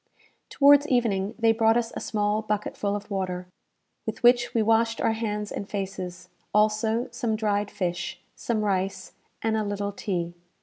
Towards evening they brought us a small bucketful of water, with which we washed our hands and faces; also some dried fish, some rice, and a little tea.